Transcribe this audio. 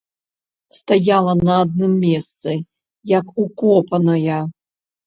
Стаяла на адным месцы як укопаная.